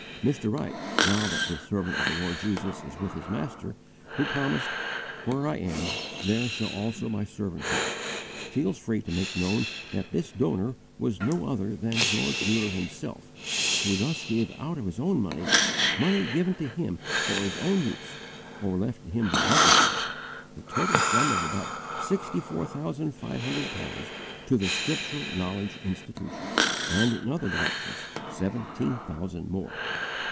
_ Mr. Wright, now that this "servant of the Lord Jesus" is with his Master, who promised, "Where I am there shall also My servant be," feels free to make known that this donor was no other than George Muller himself who thus gave out of his own money money given to him for his own use or left to him by legacies the total sum of about sixty four thousand five hundred pounds to the Scriptural Knowledge Institution, and, in other directions, seventeen thousand more.